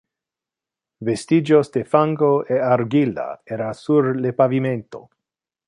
Vestigios de fango e argilla era sur le pavimento.